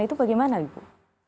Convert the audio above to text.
itu bagaimana ibu